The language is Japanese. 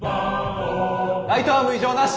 ライトアーム異常なし。